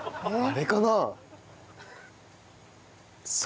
あれかな？